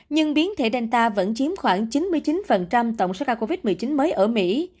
nhưng biến thể danta vẫn chiếm khoảng chín mươi chín tổng số ca covid một mươi chín mới ở mỹ